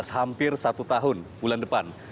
hampir satu tahun bulan depan